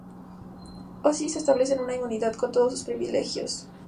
Ozzy se restablece en la "Inmunidad" con todos sus privilegios.